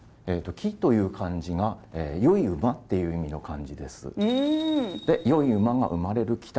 「驥」という漢字が「良い馬」っていう意味の漢字です。